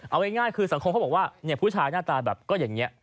เอาง่ายคือสังคมเขาบอกว่าผู้ชายหน้าตาแบบก็อย่างนี้